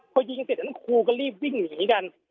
พอยิงเสร็จนั้นครูก็รีบวิ่งหนีกัน